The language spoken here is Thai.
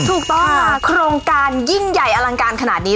ถูกต้องค่ะโครงการยิ่งใหญ่อลังการขนาดนี้